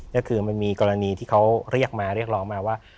ก็คือมันมีกรณีที่เขาเรียกมาเรียกร้องมาว่า